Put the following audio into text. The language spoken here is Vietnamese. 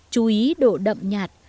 chú ý độ đậm nhạt